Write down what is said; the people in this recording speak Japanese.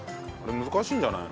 難しいんじゃないの？